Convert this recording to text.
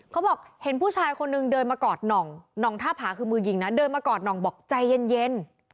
เขาบอกเห็นผู้ชายคนนึงเดินมากอดหน่องหน่องท่าผาคือมือยิงนะเดินมากอดหน่องบอกใจเย็น